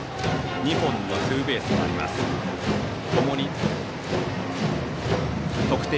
２本のツーベースがある山田。